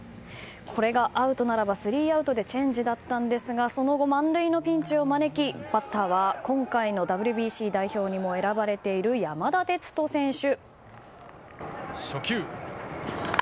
これがアウトならスリーアウトでチェンジだったんですがその後、満塁のピンチを招きバッターは今回のＷＢＣ代表にも選ばれている山田哲人選手。